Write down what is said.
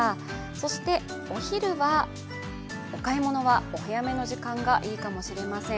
そしてお昼はお買い物はお早めの時間がいいかもしれません。